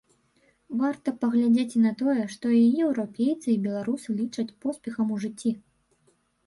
Варта паглядзець і на тое, што і еўрапейцы, і беларусы лічаць поспехам у жыцці.